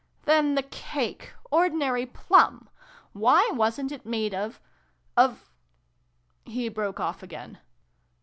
" Then the cake 1 Ordinary plum ! Why wasn't it made of of " He broke off again.